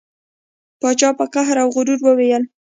پاچا په قهر او غرور وویل.